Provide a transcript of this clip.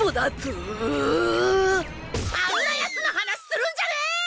あんなやつの話するんじゃねえ！